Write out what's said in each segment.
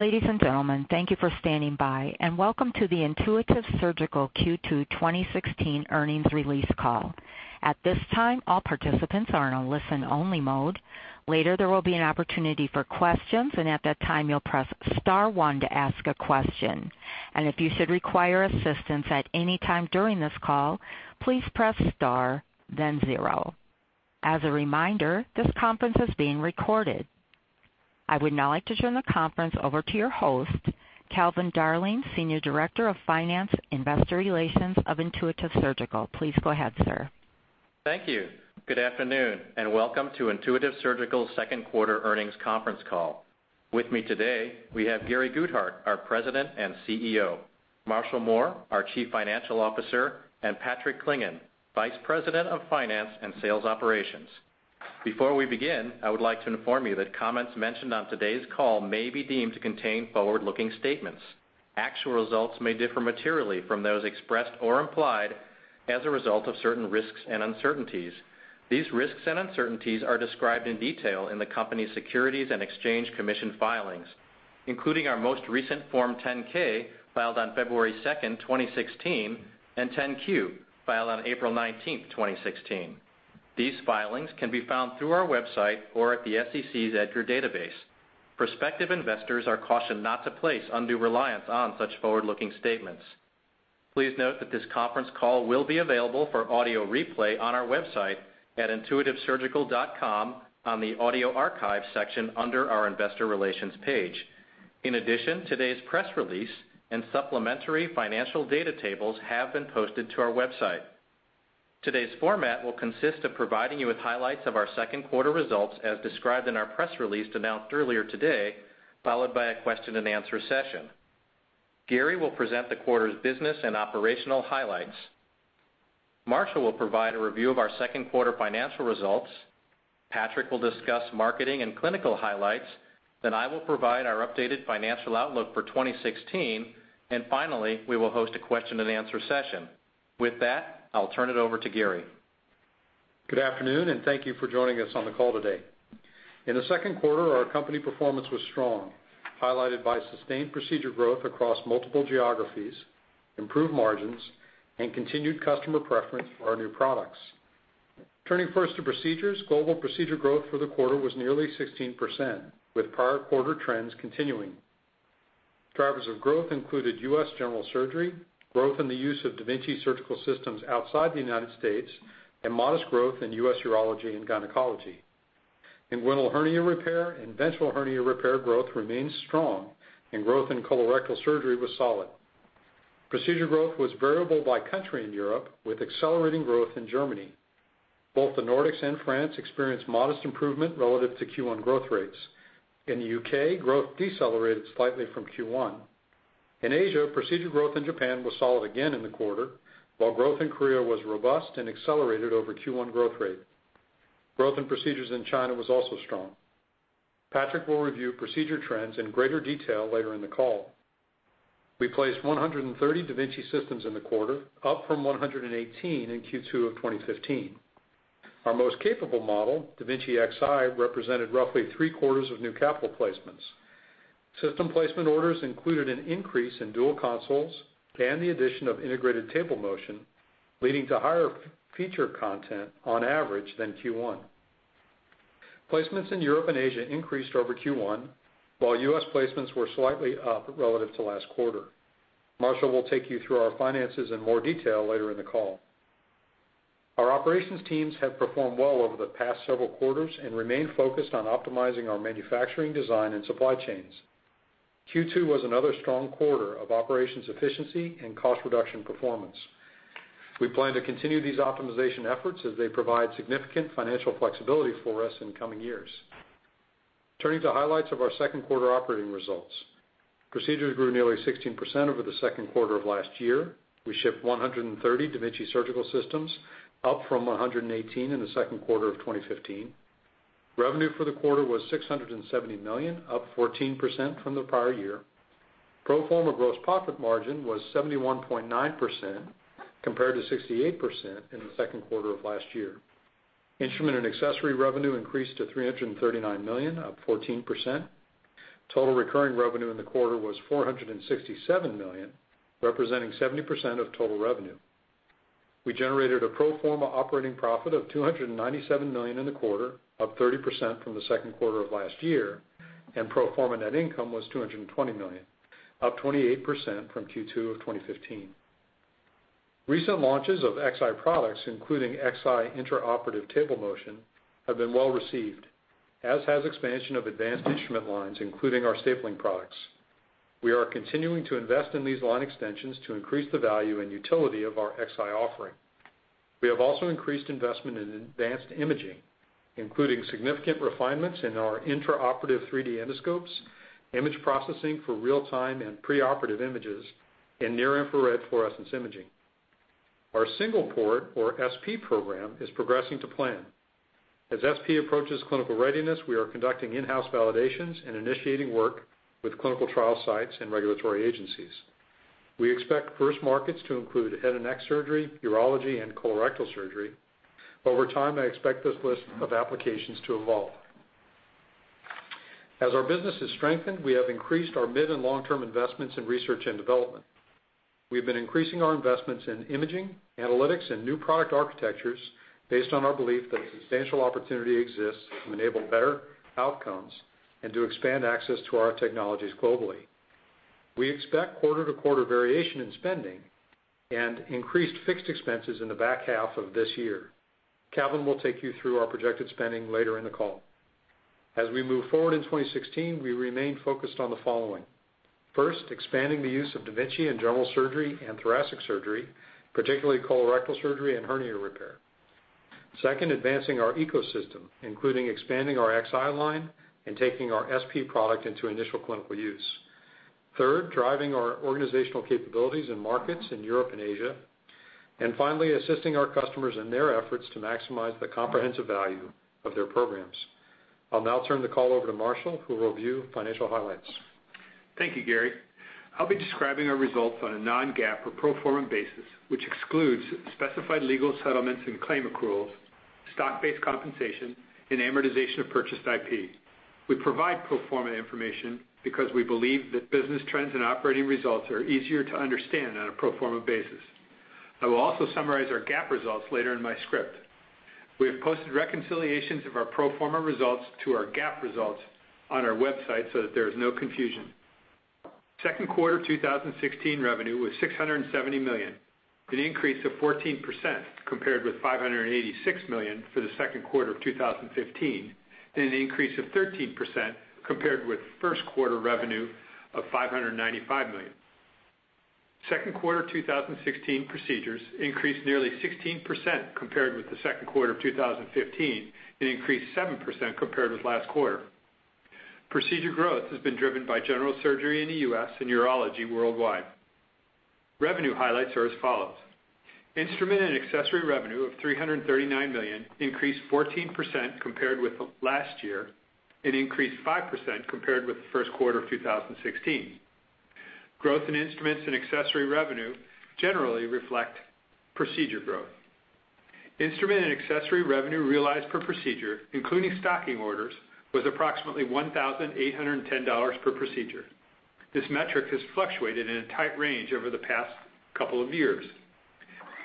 Ladies and gentlemen, thank you for standing by, and welcome to the Intuitive Surgical Q2 2016 earnings release call. At this time, all participants are in a listen-only mode. Later, there will be an opportunity for questions, and at that time, you will press star one to ask a question. If you should require assistance at any time during this call, please press star, then zero. As a reminder, this conference is being recorded. I would now like to turn the conference over to your host, Calvin Darling, Senior Director of Finance, Investor Relations of Intuitive Surgical. Please go ahead, sir. Thank you. Good afternoon, and welcome to Intuitive Surgical second quarter earnings conference call. With me today, we have Gary Guthart, our President and CEO, Marshall Mohr, our Chief Financial Officer, and Patrick Clingan, Vice President of Finance and Sales Operations. Before we begin, I would like to inform you that comments mentioned on today's call may be deemed to contain forward-looking statements. Actual results may differ materially from those expressed or implied as a result of certain risks and uncertainties. These risks and uncertainties are described in detail in the company's Securities and Exchange Commission filings, including our most recent Form 10-K filed on February 2nd, 2016, and 10-Q filed on April 19th, 2016. These filings can be found through our website or at the SEC's EDGAR database. Prospective investors are cautioned not to place undue reliance on such forward-looking statements. Please note that this conference call will be available for audio replay on our website at intuitivesurgical.com on the audio archive section under our investor relations page. In addition, today's press release and supplementary financial data tables have been posted to our website. Today's format will consist of providing you with highlights of our second quarter results as described in our press release announced earlier today, followed by a question-and-answer session. Gary will present the quarter's business and operational highlights. Marshall will provide a review of our second quarter financial results. Patrick will discuss marketing and clinical highlights. I will provide our updated financial outlook for 2016. Finally, we will host a question-and-answer session. With that, I will turn it over to Gary. Good afternoon, and thank you for joining us on the call today. In the second quarter, our company performance was strong, highlighted by sustained procedure growth across multiple geographies, improved margins, and continued customer preference for our new products. Turning first to procedures, global procedure growth for the quarter was nearly 16%, with prior quarter trends continuing. Drivers of growth included U.S. general surgery, growth in the use of da Vinci surgical systems outside the United States, and modest growth in U.S. urology and gynecology. In inguinal hernia repair and ventral hernia repair, growth remains strong, and growth in colorectal surgery was solid. Procedure growth was variable by country in Europe, with accelerating growth in Germany. Both the Nordics and France experienced modest improvement relative to Q1 growth rates. In the U.K., growth decelerated slightly from Q1. In Asia, procedure growth in Japan was solid again in the quarter, while growth in Korea was robust and accelerated over Q1 growth rate. Growth in procedures in China was also strong. Patrick will review procedure trends in greater detail later in the call. We placed 130 da Vinci systems in the quarter, up from 118 in Q2 of 2015. Our most capable model, da Vinci Xi, represented roughly three-quarters of new capital placements. System placement orders included an increase in dual consoles and the addition of integrated table motion, leading to higher feature content on average than Q1. Placements in Europe and Asia increased over Q1, while U.S. placements were slightly up relative to last quarter. Marshall will take you through our finances in more detail later in the call. Our operations teams have performed well over the past several quarters and remain focused on optimizing our manufacturing design and supply chains. Q2 was another strong quarter of operations efficiency and cost reduction performance. We plan to continue these optimization efforts as they provide significant financial flexibility for us in coming years. Turning to highlights of our second quarter operating results. Procedures grew nearly 16% over the second quarter of last year. We shipped 130 da Vinci surgical systems, up from 118 in the second quarter of 2015. Revenue for the quarter was $670 million, up 14% from the prior year. Pro forma gross profit margin was 71.9%, compared to 68% in the second quarter of last year. Instrument and accessory revenue increased to $339 million, up 14%. Total recurring revenue in the quarter was $467 million, representing 70% of total revenue. We generated a pro forma operating profit of $297 million in the quarter, up 30% from the second quarter of last year. Pro forma net income was $220 million, up 28% from Q2 of 2015. Recent launches of Xi products, including Xi intraoperative table motion, have been well-received, as has expansion of advanced instrument lines, including our stapling products. We are continuing to invest in these line extensions to increase the value and utility of our Xi offering. We have also increased investment in advanced imaging, including significant refinements in our intraoperative 3D endoscopes, image processing for real-time and preoperative images, and near-infrared fluorescence imaging. Our single port, or SP program, is progressing to plan. As SP approaches clinical readiness, we are conducting in-house validations and initiating work with clinical trial sites and regulatory agencies. We expect first markets to include head and neck surgery, urology, and colorectal surgery. Over time, I expect this list of applications to evolve. As our business has strengthened, we have increased our mid and long-term investments in research and development. We have been increasing our investments in imaging, analytics, and new product architectures based on our belief that a substantial opportunity exists to enable better outcomes and to expand access to our technologies globally. We expect quarter-to-quarter variation in spending and increased fixed expenses in the back half of this year. Calvin will take you through our projected spending later in the call. As we move forward in 2016, we remain focused on the following. First, expanding the use of da Vinci in general surgery and thoracic surgery, particularly colorectal surgery and hernia repair. Second, advancing our ecosystem, including expanding our Xi line and taking our SP product into initial clinical use. Third, driving our organizational capabilities in markets in Europe and Asia. Finally, assisting our customers in their efforts to maximize the comprehensive value of their programs. I'll now turn the call over to Marshall, who will review financial highlights. Thank you, Gary. I'll be describing our results on a non-GAAP or pro forma basis, which excludes specified legal settlements and claim accruals, stock-based compensation, and amortization of purchased IP. We provide pro forma information because we believe that business trends and operating results are easier to understand on a pro forma basis. I will also summarize our GAAP results later in my script. We have posted reconciliations of our pro forma results to our GAAP results on our website so that there is no confusion. Second quarter 2016 revenue was $670 million, an increase of 14% compared with $586 million for the second quarter of 2015, an increase of 13% compared with first quarter revenue of $595 million. Second quarter 2016 procedures increased nearly 16% compared with the second quarter of 2015, and increased 7% compared with last quarter. Procedure growth has been driven by general surgery in the U.S. and urology worldwide. Revenue highlights are as follows. Instrument and accessory revenue of $339 million increased 14% compared with last year and increased 5% compared with the first quarter of 2016. Growth in instruments and accessory revenue generally reflect procedure growth. Instrument and accessory revenue realized per procedure, including stocking orders, was approximately $1,810 per procedure. This metric has fluctuated in a tight range over the past couple of years.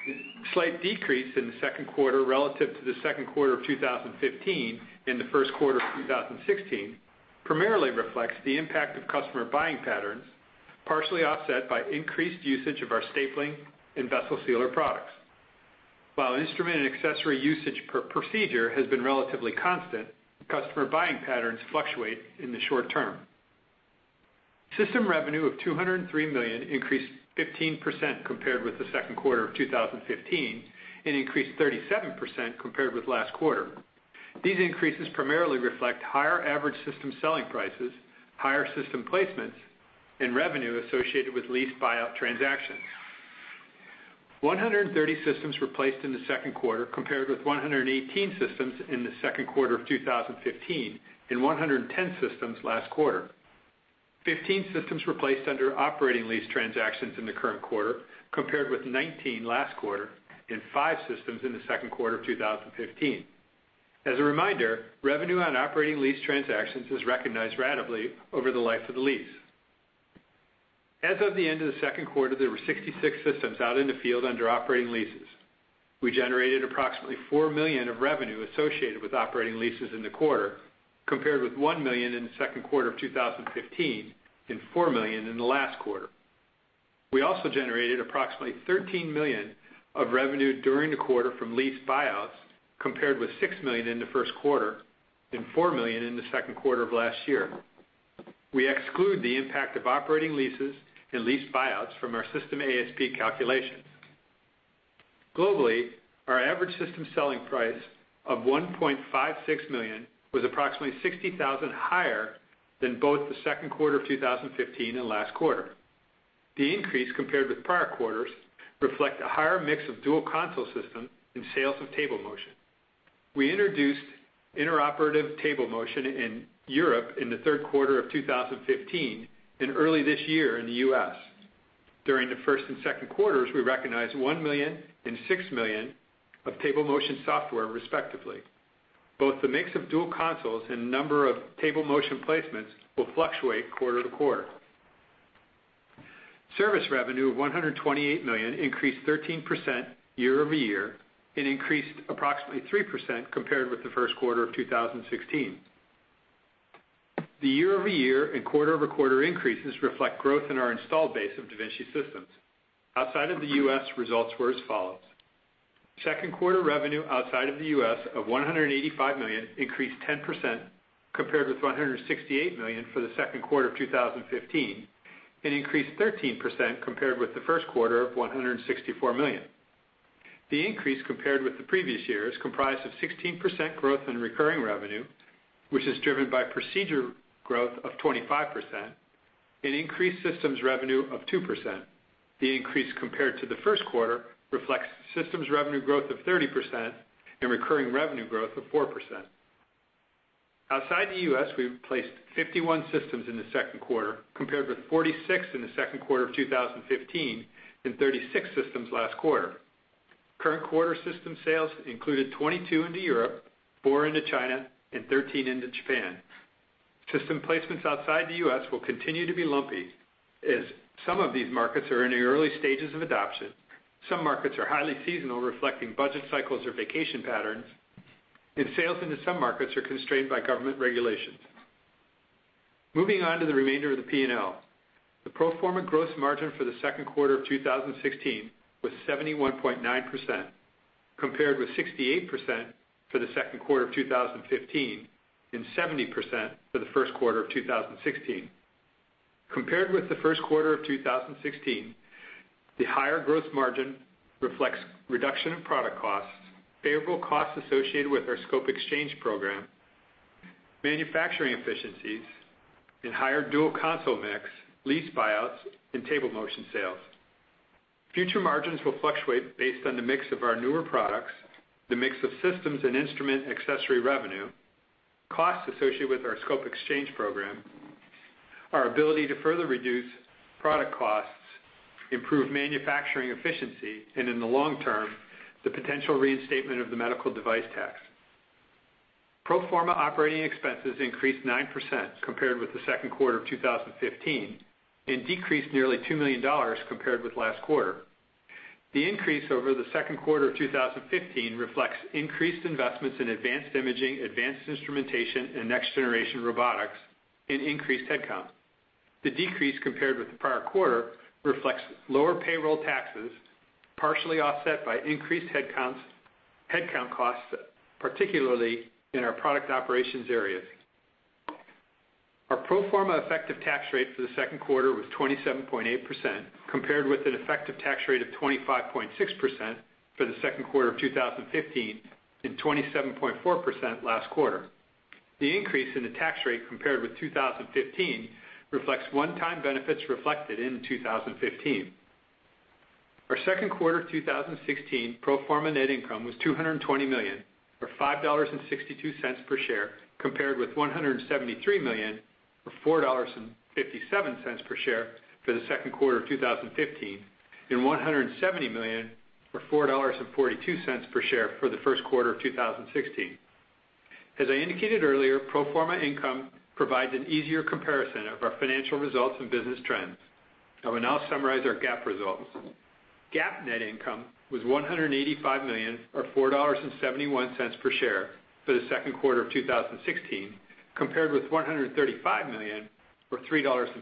The slight decrease in the second quarter relative to the second quarter of 2015 and the first quarter of 2016 primarily reflects the impact of customer buying patterns, partially offset by increased usage of our stapling and vessel sealer products. While instrument and accessory usage per procedure has been relatively constant, customer buying patterns fluctuate in the short term. System revenue of $203 million increased 15% compared with the second quarter of 2015, and increased 37% compared with last quarter. These increases primarily reflect higher average system selling prices, higher system placements, and revenue associated with lease buyout transactions. 130 systems were placed in the second quarter compared with 118 systems in the second quarter of 2015 and 110 systems last quarter. 15 systems were placed under operating lease transactions in the current quarter compared with 19 last quarter and five systems in the second quarter of 2015. As a reminder, revenue on operating lease transactions is recognized ratably over the life of the lease. As of the end of the second quarter, there were 66 systems out in the field under operating leases. We generated approximately $4 million of revenue associated with operating leases in the quarter, compared with $1 million in the second quarter of 2015 and $4 million in the last quarter. We also generated approximately $13 million of revenue during the quarter from lease buyouts, compared with $6 million in the first quarter and $4 million in the second quarter of last year. We exclude the impact of operating leases and lease buyouts from our system ASP calculations. Globally, our average system selling price of $1.56 million was approximately $60,000 higher than both the second quarter of 2015 and last quarter. The increase compared with prior quarters reflect a higher mix of dual console systems and sales of table motion. We introduced interoperative table motion in Europe in the third quarter of 2015 and early this year in the U.S. During the first and second quarters, we recognized $1 million and $6 million of table motion software respectively. Both the mix of dual consoles and number of table motion placements will fluctuate quarter to quarter. Service revenue of $128 million increased 13% year-over-year and increased approximately 3% compared with the first quarter of 2016. The year-over-year and quarter-over-quarter increases reflect growth in our installed base of da Vinci systems. Outside of the U.S., results were as follows. Second quarter revenue outside of the U.S. of $185 million increased 10% compared with $168 million for the second quarter of 2015, and increased 13% compared with the first quarter of $164 million. The increase compared with the previous year is comprised of 16% growth in recurring revenue, which is driven by procedure growth of 25% and increased systems revenue of 2%. The increase compared to the first quarter reflects systems revenue growth of 30% and recurring revenue growth of 4%. Outside the U.S., we've placed 51 systems in the second quarter, compared with 46 in the second quarter of 2015 and 36 systems last quarter. Current quarter system sales included 22 into Europe, four into China, and 13 into Japan. System placements outside the U.S. will continue to be lumpy, as some of these markets are in the early stages of adoption. Some markets are highly seasonal, reflecting budget cycles or vacation patterns, and sales into some markets are constrained by government regulations. Moving on to the remainder of the P&L. The pro forma gross margin for the second quarter of 2016 was 71.9%, compared with 68% for the second quarter of 2015, and 70% for the first quarter of 2016. Compared with the first quarter of 2016, the higher gross margin reflects reduction in product costs, favorable costs associated with our scope exchange program, manufacturing efficiencies, and higher dual console mix, lease buyouts, and table motion sales. Future margins will fluctuate based on the mix of our newer products, the mix of systems and instrument accessory revenue, costs associated with our scope exchange program, our ability to further reduce product costs, improve manufacturing efficiency, and in the long term, the potential reinstatement of the medical device tax. Pro forma OpEx increased 9% compared with the second quarter of 2015 and decreased nearly $2 million compared with last quarter. The increase over the second quarter of 2015 reflects increased investments in advanced imaging, advanced instrumentation, and next generation robotics, and increased headcount. The decrease compared with the prior quarter reflects lower payroll taxes, partially offset by increased headcount costs, particularly in our product operations areas. Our pro forma effective tax rate for the second quarter was 27.8%, compared with an effective tax rate of 25.6% for the second quarter of 2015 and 27.4% last quarter. The increase in the tax rate compared with 2015 reflects one-time benefits reflected in 2015. Our second quarter 2016 pro forma net income was $220 million, or $5.62 per share, compared with $173 million or $4.57 per share for the second quarter of 2015, and $170 million or $4.42 per share for the first quarter of 2016. As I indicated earlier, pro forma income provides an easier comparison of our financial results and business trends. I will now summarize our GAAP results. GAAP net income was $185 million, or $4.71 per share for the second quarter of 2016, compared with $135 million or $3.56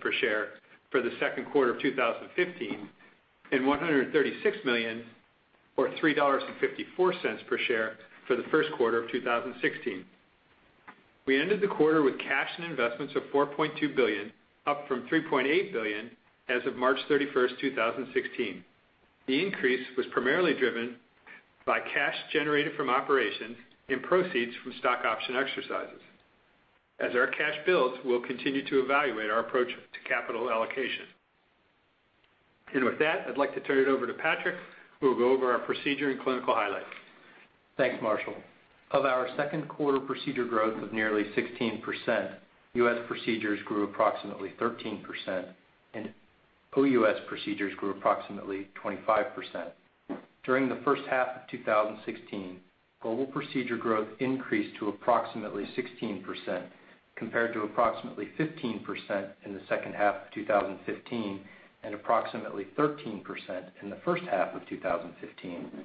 per share for the second quarter of 2015, and $136 million or $3.54 per share for the first quarter of 2016. We ended the quarter with cash and investments of $4.2 billion, up from $3.8 billion as of March 31st, 2016. The increase was primarily driven by cash generated from operations and proceeds from stock option exercises. With that, I'd like to turn it over to Patrick, who will go over our procedure and clinical highlights. Thanks, Marshall. Of our second quarter procedure growth of nearly 16%, U.S. procedures grew approximately 13% and OUS procedures grew approximately 25%. During the first half of 2016, global procedure growth increased to approximately 16%, compared to approximately 15% in the second half of 2015 and approximately 13% in the first half of 2015.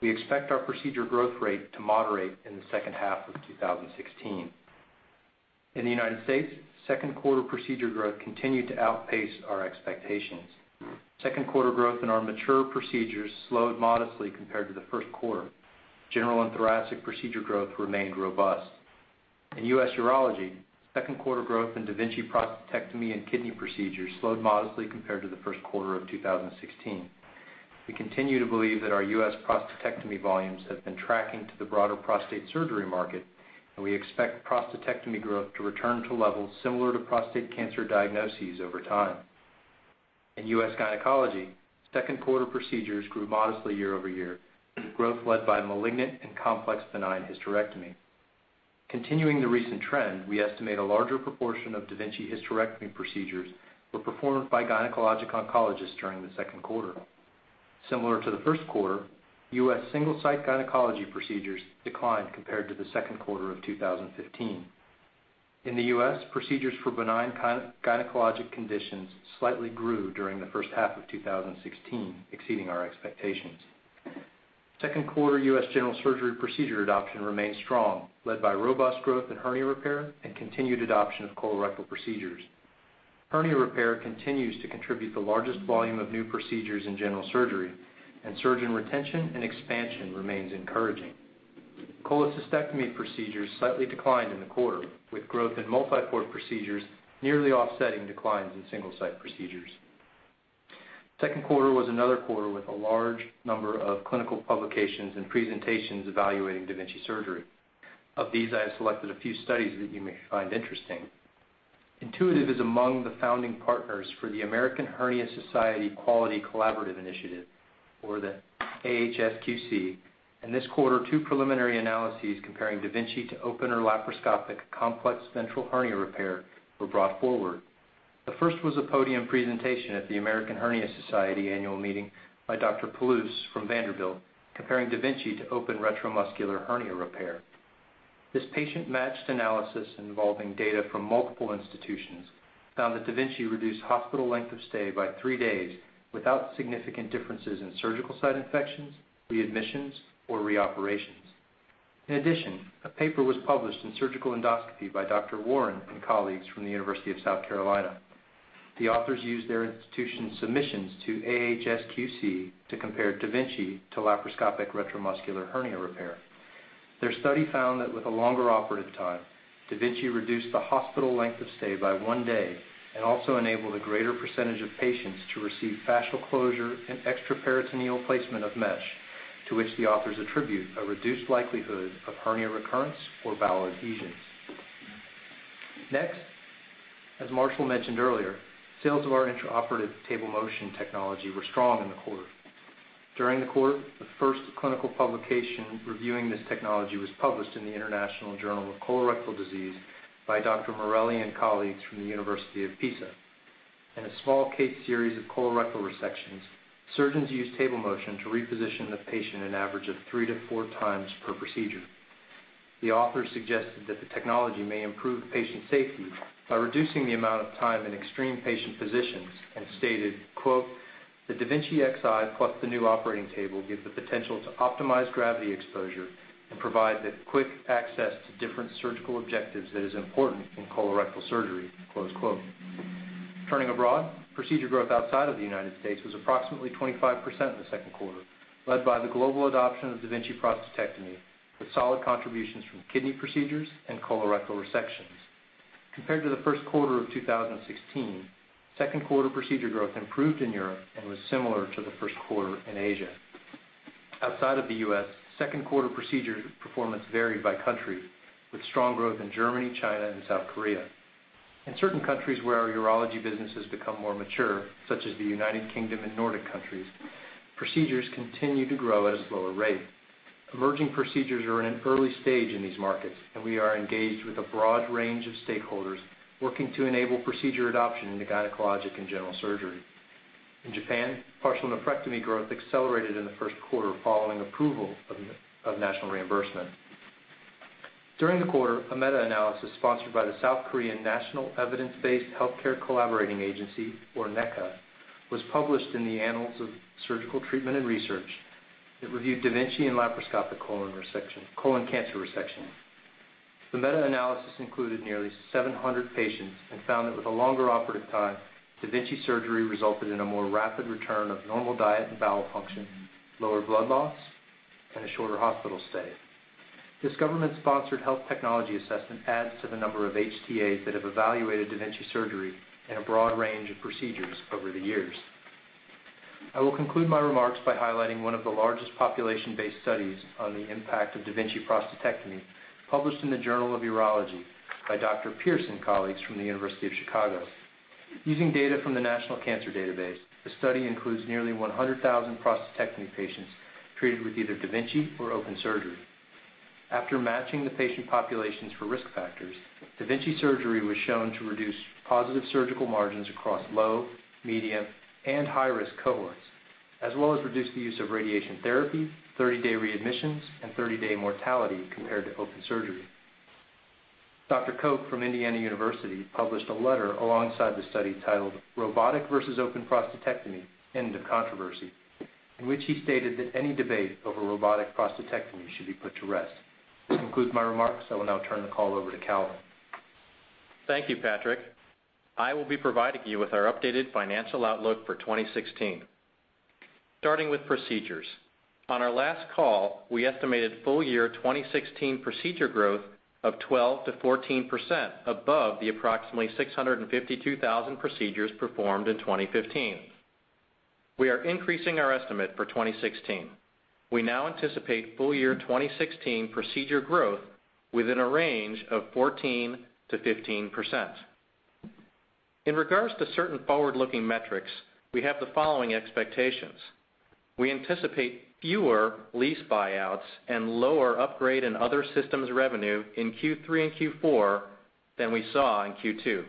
We expect our procedure growth rate to moderate in the second half of 2016. In the United States, second quarter procedure growth continued to outpace our expectations. Second quarter growth in our mature procedures slowed modestly compared to the first quarter. General and thoracic procedure growth remained robust. In U.S. urology, second quarter growth in da Vinci prostatectomy and kidney procedures slowed modestly compared to the first quarter of 2016. We continue to believe that our U.S. prostatectomy volumes have been tracking to the broader prostate surgery market, we expect prostatectomy growth to return to levels similar to prostate cancer diagnoses over time. In U.S. gynecology, second quarter procedures grew modestly year-over-year, with growth led by malignant and complex benign hysterectomy. Continuing the recent trend, we estimate a larger proportion of da Vinci hysterectomy procedures were performed by gynecologic oncologists during the second quarter. Similar to the first quarter, U.S. single-site gynecology procedures declined compared to the second quarter of 2015. In the U.S., procedures for benign gynecologic conditions slightly grew during the first half of 2016, exceeding our expectations. Second quarter U.S. general surgery procedure adoption remained strong, led by robust growth in hernia repair and continued adoption of colorectal procedures. Hernia repair continues to contribute the largest volume of new procedures in general surgery, and surgeon retention and expansion remains encouraging. Cholecystectomy procedures slightly declined in the quarter, with growth in multi-port procedures nearly offsetting declines in single-site procedures. Second quarter was another quarter with a large number of clinical publications and presentations evaluating da Vinci surgery. Of these, I have selected a few studies that you may find interesting. Intuitive is among the founding partners for the American Hernia Society Quality Collaborative initiative, or the AHSQC. In this quarter, two preliminary analyses comparing da Vinci to open or laparoscopic complex ventral hernia repair were brought forward. The first was a podium presentation at the American Hernia Society annual meeting by Dr. Poulose from Vanderbilt, comparing da Vinci to open retromuscular hernia repair. This patient-matched analysis involving data from multiple institutions found that da Vinci reduced hospital length of stay by three days without significant differences in surgical site infections, readmissions, or reoperations. In addition, a paper was published in Surgical Endoscopy by Dr. Warren and colleagues from the University of South Carolina. The authors used their institution's submissions to AHSQC to compare da Vinci to laparoscopic retromuscular hernia repair. Their study found that with a longer operative time, da Vinci reduced the hospital length of stay by one day and also enabled a greater percentage of patients to receive fascial closure and extraperitoneal placement of mesh, to which the authors attribute a reduced likelihood of hernia recurrence or bowel adhesions. Next, as Marshall mentioned earlier, sales of our intraoperative table motion technology were strong in the quarter. During the quarter, the first clinical publication reviewing this technology was published in the International Journal of Colorectal Disease by Dr. Morelli and colleagues from the University of Pisa. In a small case series of colorectal resections, surgeons used table motion to reposition the patient an average of three to four times per procedure. The authors suggested that the technology may improve patient safety by reducing the amount of time in extreme patient positions and stated, quote, "The da Vinci Xi plus the new operating table give the potential to optimize gravity exposure and provide the quick access to different surgical objectives that is important in colorectal surgery." Close quote. Turning abroad, procedure growth outside of the U.S. was approximately 25% in the second quarter, led by the global adoption of da Vinci prostatectomy, with solid contributions from kidney procedures and colorectal resections. Compared to the first quarter of 2016, second quarter procedure growth improved in Europe and was similar to the first quarter in Asia. Outside of the U.S., second quarter procedure performance varied by country, with strong growth in Germany, China and South Korea. In certain countries where our urology business has become more mature, such as the U.K. and Nordic countries, procedures continue to grow at a slower rate. Emerging procedures are in an early stage in these markets, and we are engaged with a broad range of stakeholders working to enable procedure adoption into gynecologic and general surgery. In Japan, partial nephrectomy growth accelerated in the first quarter following approval of national reimbursement. During the quarter, a meta-analysis sponsored by the South Korean National Evidence-based Healthcare Collaborating Agency, or NECA, was published in the Annals of Surgical Treatment and Research that reviewed da Vinci and laparoscopic colon cancer resection. The meta-analysis included nearly 700 patients and found that with a longer operative time, da Vinci surgery resulted in a more rapid return of normal diet and bowel function, lower blood loss, and a shorter hospital stay. This government-sponsored health technology assessment adds to the number of HTAs that have evaluated da Vinci surgery in a broad range of procedures over the years. I will conclude my remarks by highlighting one of the largest population-based studies on the impact of da Vinci prostatectomy, published in The Journal of Urology by Dr. Pearson and colleagues from the University of Chicago. Using data from the National Cancer Database, the study includes nearly 100,000 prostatectomy patients treated with either da Vinci or open surgery. After matching the patient populations for risk factors, da Vinci surgery was shown to reduce positive surgical margins across low, medium and high-risk cohorts, as well as reduce the use of radiation therapy, 30-day readmissions and 30-day mortality compared to open surgery. Dr. Koch from Indiana University published a letter alongside the study titled Robotic versus Open Prostatectomy: End of Controversy?, in which he stated that any debate over robotic prostatectomy should be put to rest. This concludes my remarks. I will now turn the call over to Calvin. Thank you, Patrick. I will be providing you with our updated financial outlook for 2016. Starting with procedures. On our last call, we estimated full year 2016 procedure growth of 12%-14% above the approximately 652,000 procedures performed in 2015. We are increasing our estimate for 2016. We now anticipate full year 2016 procedure growth within a range of 14%-15%. In regards to certain forward-looking metrics, we have the following expectations. We anticipate fewer lease buyouts and lower upgrade and other systems revenue in Q3 and Q4 than we saw in Q2.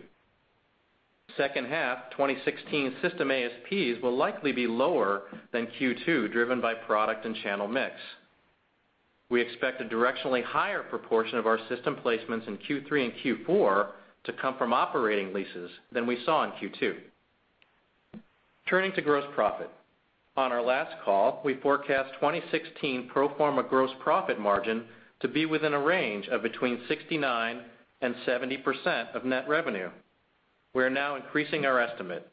Second half 2016 system ASPs will likely be lower than Q2, driven by product and channel mix. We expect a directionally higher proportion of our system placements in Q3 and Q4 to come from operating leases than we saw in Q2. Turning to gross profit. On our last call, we forecast 2016 pro forma gross profit margin to be within a range of between 69% and 70% of net revenue. We are now increasing our estimate.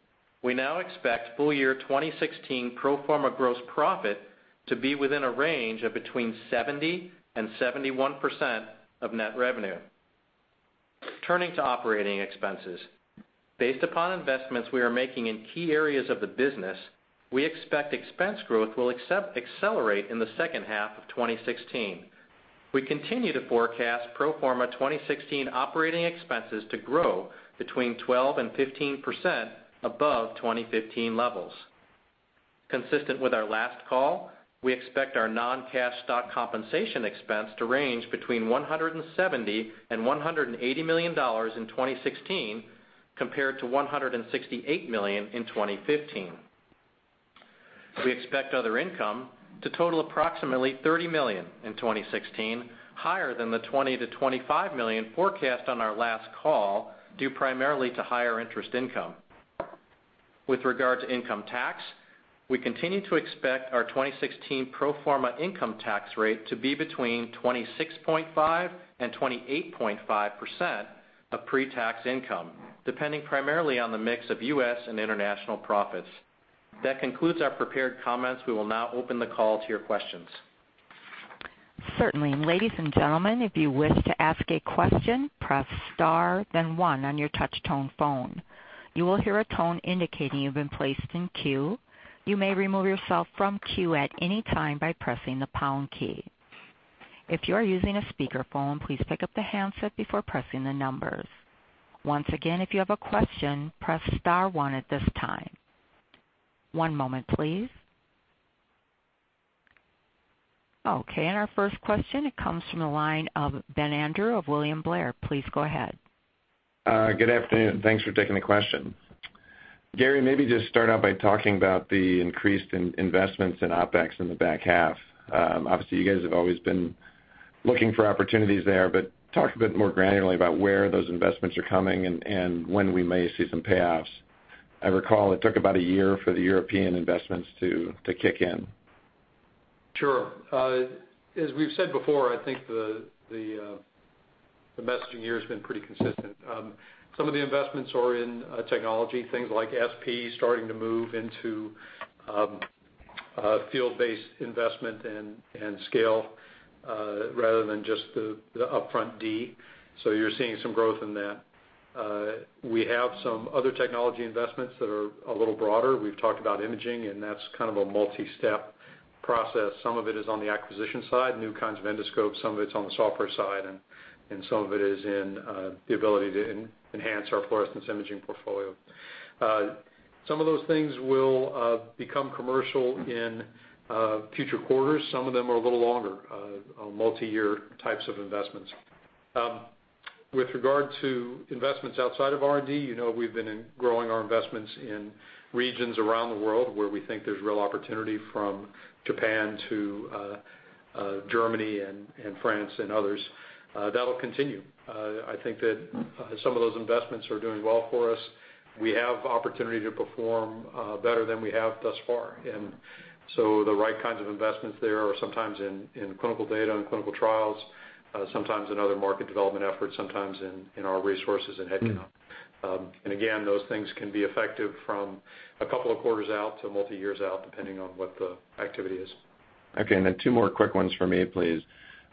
We now expect full year 2016 pro forma gross profit to be within a range of between 70% and 71% of net revenue. Turning to operating expenses. Based upon investments we are making in key areas of the business, we expect expense growth will accelerate in the second half of 2016. We continue to forecast pro forma 2016 operating expenses to grow between 12% and 15% above 2015 levels. Consistent with our last call, we expect our non-cash stock compensation expense to range between $170 million and $180 million in 2016, compared to $168 million in 2015. We expect other income to total approximately $30 million in 2016, higher than the $20 million to $25 million forecast on our last call, due primarily to higher interest income. With regard to income tax, we continue to expect our 2016 pro forma income tax rate to be between 26.5%-28.5% of pre-tax income, depending primarily on the mix of U.S. and international profits. That concludes our prepared comments. We will now open the call to your questions. Certainly. Ladies and gentlemen, if you wish to ask a question, press star then one on your touch tone phone. You will hear a tone indicating you've been placed in queue. You may remove yourself from queue at any time by pressing the pound key. If you are using a speakerphone, please pick up the handset before pressing the numbers. Once again, if you have a question, press star one at this time. One moment, please. Okay, our first question, it comes from the line of Benjamin Andrew of William Blair. Please go ahead. Good afternoon. Thanks for taking the question. Gary, maybe just start out by talking about the increased investments in OpEx in the back half. Obviously, you guys have always been looking for opportunities there, but talk a bit more granularly about where those investments are coming and when we may see some payoffs. I recall it took about one year for the European investments to kick in. Sure. As we've said before, I think the messaging here has been pretty consistent. Some of the investments are in technology, things like SP starting to move into field-based investment and scale, rather than just the upfront D. You're seeing some growth in that. We have some other technology investments that are a little broader. We've talked about imaging, that's kind of a multi-step process. Some of it is on the acquisition side, new kinds of endoscopes, some of it's on the software side, and some of it is in the ability to enhance our fluorescence imaging portfolio. Some of those things will become commercial in future quarters. Some of them are a little longer, multi-year types of investments. With regard to investments outside of R&D, you know we've been growing our investments in regions around the world where we think there's real opportunity, from Japan to Germany and France and others. That'll continue. I think that some of those investments are doing well for us. We have opportunity to perform better than we have thus far. The right kinds of investments there are sometimes in clinical data and clinical trials, sometimes in other market development efforts, sometimes in our resources in head count. Again, those things can be effective from a couple of quarters out to multi-years out, depending on what the activity is. Okay, two more quick ones from me, please.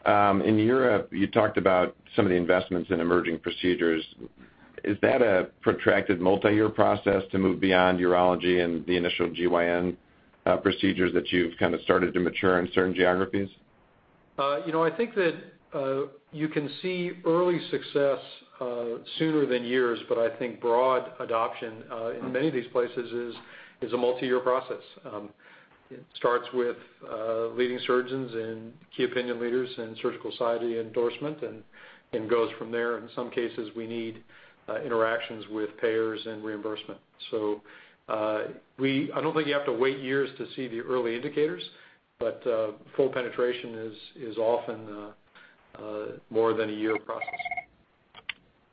In Europe, you talked about some of the investments in emerging procedures. Is that a protracted multi-year process to move beyond urology and the initial GYN procedures that you've kind of started to mature in certain geographies? I think that you can see early success sooner than years, I think broad adoption in many of these places is a multi-year process. It starts with leading surgeons and key opinion leaders and surgical society endorsement and goes from there. In some cases, we need interactions with payers and reimbursement. I don't think you have to wait years to see the early indicators, but full penetration is often more than a year process.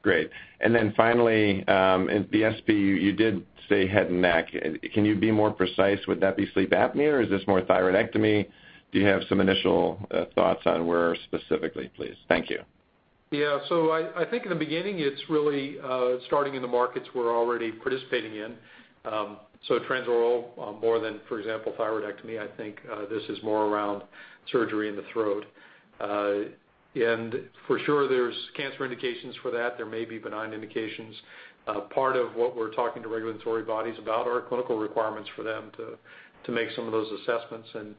Great. Finally, the SP, you did say head and neck. Can you be more precise? Would that be sleep apnea, or is this more thyroidectomy? Do you have some initial thoughts on where specifically, please? Thank you. Yeah. I think in the beginning, it's really starting in the markets we're already participating in. Transoral more than, for example, thyroidectomy. I think this is more around surgery in the throat. For sure, there's cancer indications for that. There may be benign indications. Part of what we're talking to regulatory bodies about are clinical requirements for them to make some of those assessments, and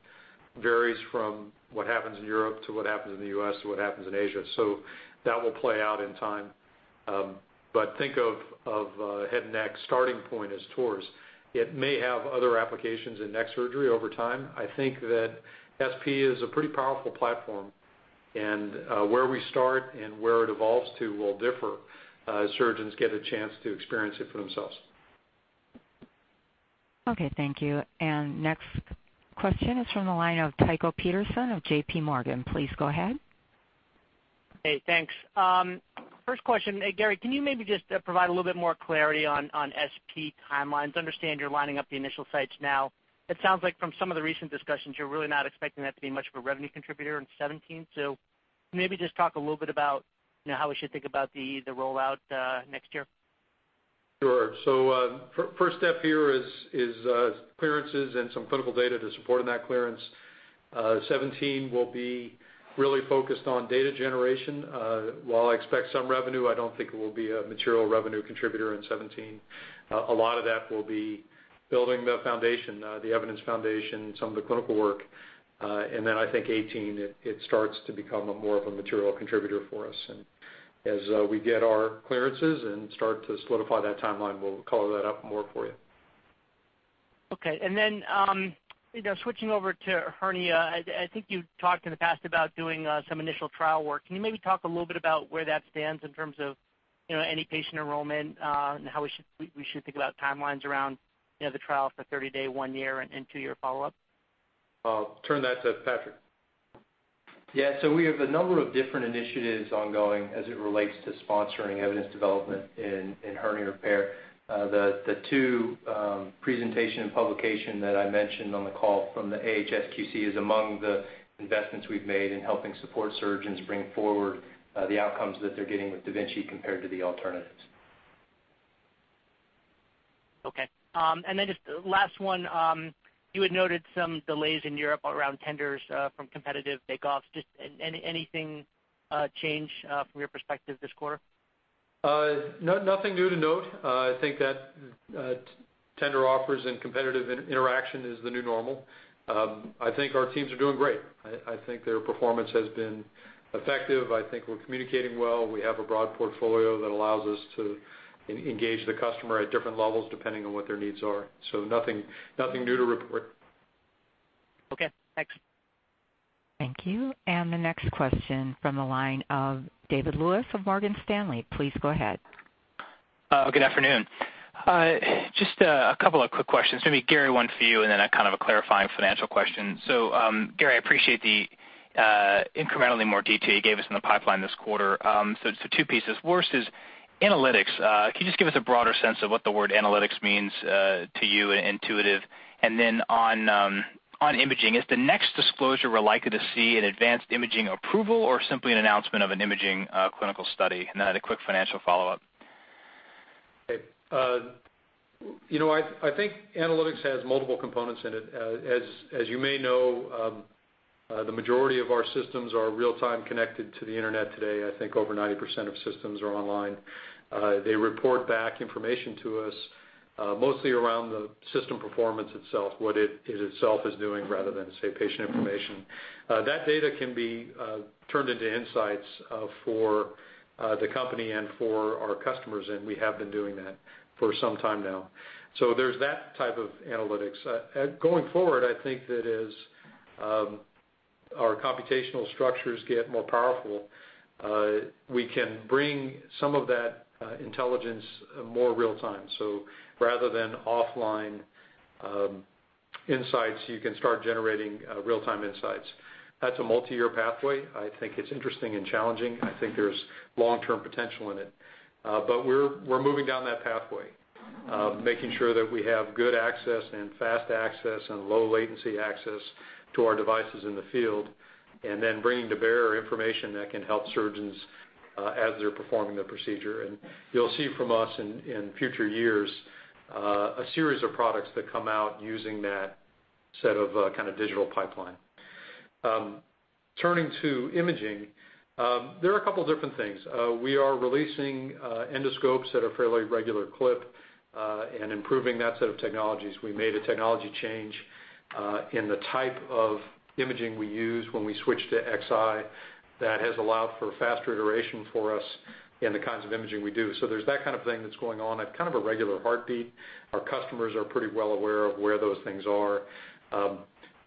varies from what happens in Europe to what happens in the U.S. to what happens in Asia. That will play out in time. Think of head and neck starting point as TORS. It may have other applications in neck surgery over time. I think that SP is a pretty powerful platform, and where we start and where it evolves to will differ as surgeons get a chance to experience it for themselves. Okay, thank you. Next question is from the line of Tycho Peterson of JPMorgan. Please go ahead. Hey, thanks. First question. Gary, can you maybe just provide a little bit more clarity on SP timelines? Understand you're lining up the initial sites now. It sounds like from some of the recent discussions, you're really not expecting that to be much of a revenue contributor in 2017. Maybe just talk a little bit about how we should think about the rollout next year. Sure. First step here is clearances and some clinical data to support that clearance. 2017 will be really focused on data generation. While I expect some revenue, I don't think it will be a material revenue contributor in 2017. A lot of that will be building the foundation, the evidence foundation, some of the clinical work. I think 2018, it starts to become more of a material contributor for us. As we get our clearances and start to solidify that timeline, we'll color that up more for you. Switching over to hernia, I think you talked in the past about doing some initial trial work. Can you maybe talk a little bit about where that stands in terms of any patient enrollment and how we should think about timelines around the trial for 30-day, 1-year, and 2-year follow-up? I'll turn that to Patrick. We have a number of different initiatives ongoing as it relates to sponsoring evidence development in hernia repair. The two presentation and publication that I mentioned on the call from the AHSQC is among the investments we've made in helping support surgeons bring forward the outcomes that they're getting with da Vinci compared to the alternatives. Okay. Just last one. You had noted some delays in Europe around tenders from competitive takeoffs. Anything change from your perspective this quarter? Nothing new to note. I think that tender offers and competitive interaction is the new normal. I think our teams are doing great. I think their performance has been effective. I think we're communicating well. We have a broad portfolio that allows us to engage the customer at different levels depending on what their needs are. Nothing new to report. Okay, thanks. Thank you. The next question from the line of David Lewis of Morgan Stanley. Please go ahead. Good afternoon. Just a couple of quick questions. Maybe Gary, one for you, and then a kind of a clarifying financial question. Gary, I appreciate the incrementally more detail you gave us in the pipeline this quarter. It's two pieces. First is analytics. Can you just give us a broader sense of what the word analytics means to you at Intuitive? And then on imaging, is the next disclosure we're likely to see an advanced imaging approval or simply an announcement of an imaging clinical study? And then I had a quick financial follow-up. Okay. I think analytics has multiple components in it. As you may know, the majority of our systems are real-time connected to the internet today. I think over 90% of systems are online. They report back information to us, mostly around the system performance itself, what it itself is doing rather than, say, patient information. That data can be turned into insights for the company and for our customers, and we have been doing that for some time now. There's that type of analytics. Going forward, I think that as our computational structures get more powerful, we can bring some of that intelligence more real time. Rather than offline insights, you can start generating real-time insights. That's a multi-year pathway. I think it's interesting and challenging. I think there's long-term potential in it. We're moving down that pathway, making sure that we have good access and fast access and low latency access to our devices in the field, and then bringing to bear information that can help surgeons as they're performing the procedure. You'll see from us in future years, a series of products that come out using that set of digital pipeline. Turning to imaging, there are a couple of different things. We are releasing endoscopes at a fairly regular clip, and improving that set of technologies. We made a technology change in the type of imaging we use when we switched to Xi. That has allowed for faster iteration for us in the kinds of imaging we do. There's that kind of thing that's going on at kind of a regular heartbeat. Our customers are pretty well aware of where those things are.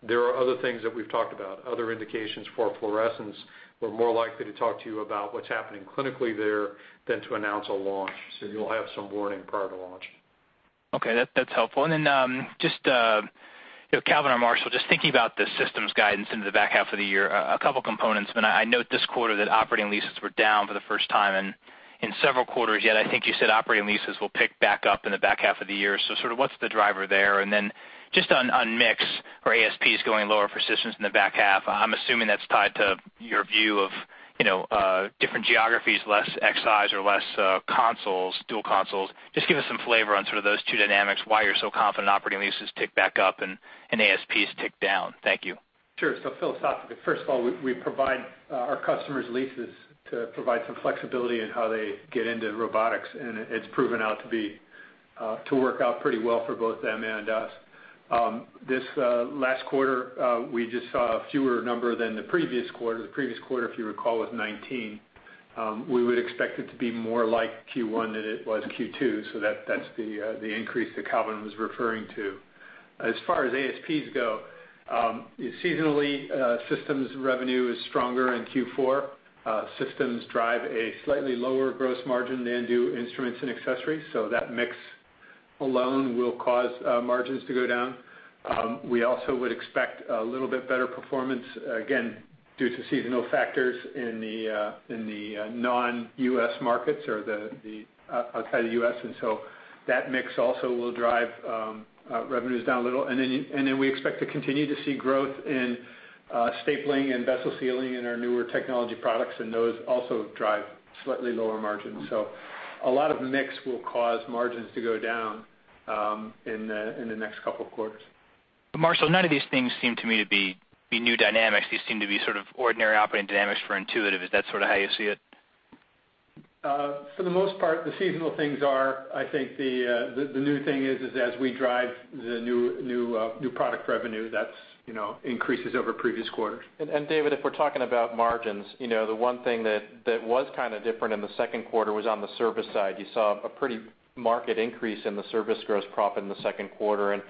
There are other things that we've talked about, other indications for fluorescence. We're more likely to talk to you about what's happening clinically there than to announce a launch. You'll have some warning prior to launch. That's helpful. Calvin or Marshall, just thinking about the systems guidance into the back half of the year, a couple components. I mean, I note this quarter that operating leases were down for the first time in several quarters, yet I think you said operating leases will pick back up in the back half of the year. What's the driver there? On mix or ASPs going lower for systems in the back half, I'm assuming that's tied to your view of different geographies, less Xi or less dual consoles. Give us some flavor on sort of those two dynamics, why you're so confident operating leases tick back up and ASPs tick down. Thank you. Sure. Philosophically, first of all, we provide our customers leases to provide some flexibility in how they get into robotics, and it's proven to work out pretty well for both them and us. This last quarter, we just saw a fewer number than the previous quarter. The previous quarter, if you recall, was 19. We would expect it to be more like Q1 than it was Q2, that's the increase that Calvin was referring to. As far as ASPs go, seasonally, systems revenue is stronger in Q4. Systems drive a slightly lower gross margin than do instruments and accessories, that mix alone will cause margins to go down. We also would expect a little bit better performance, again, due to seasonal factors in the non-U.S. markets or outside the U.S., that mix also will drive revenues down a little. We expect to continue to see growth in stapling and vessel sealing in our newer technology products, and those also drive slightly lower margins. A lot of mix will cause margins to go down in the next couple of quarters. Marshall, none of these things seem to me to be new dynamics. These seem to be sort of ordinary operating dynamics for Intuitive. Is that sort of how you see it? For the most part, the seasonal things are, I think the new thing is, as we drive the new product revenue, that increases over previous quarters. David, if we're talking about margins, the one thing that was kind of different in the second quarter was on the service side. You saw a pretty marked increase in the service gross profit in the second quarter.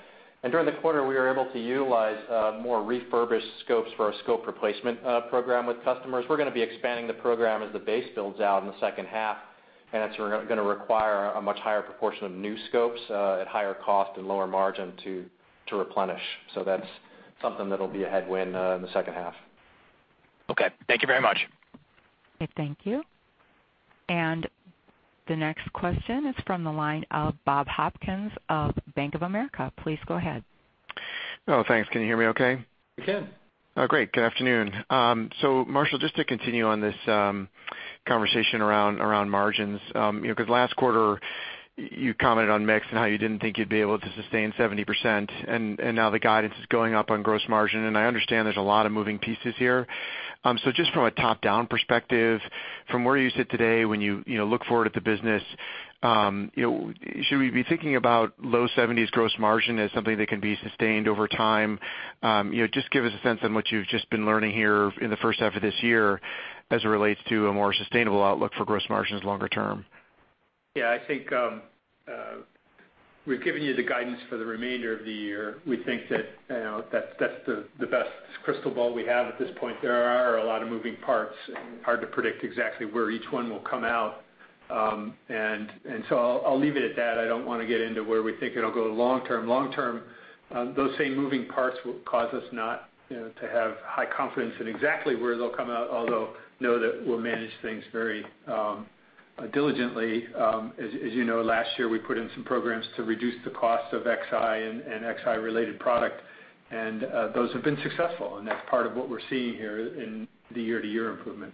During the quarter, we were able to utilize more refurbished scopes for our scope replacement program with customers. We're going to be expanding the program as the base builds out in the second half, and it's going to require a much higher proportion of new scopes at higher cost and lower margin to replenish. That's something that'll be a headwind in the second half. Okay. Thank you very much. Okay, thank you. The next question is from the line of Bob Hopkins of Bank of America. Please go ahead. Oh, thanks. Can you hear me okay? We can. Oh, great. Good afternoon. Marshall, just to continue on this conversation around margins, because last quarter you commented on mix and how you didn't think you'd be able to sustain 70%, and now the guidance is going up on gross margin, and I understand there's a lot of moving pieces here. Just from a top-down perspective, from where you sit today, when you look forward at the business, should we be thinking about low seventies gross margin as something that can be sustained over time? Just give us a sense on what you've just been learning here in the first half of this year as it relates to a more sustainable outlook for gross margins longer term. I think we've given you the guidance for the remainder of the year. We think that's the best crystal ball we have at this point. There are a lot of moving parts, and hard to predict exactly where each one will come out. I'll leave it at that. I don't want to get into where we think it'll go long term. Long term, those same moving parts will cause us not to have high confidence in exactly where they'll come out. Although know that we'll manage things very diligently. As you know, last year we put in some programs to reduce the cost of Xi and Xi related product, and those have been successful, and that's part of what we're seeing here in the year-to-year improvement.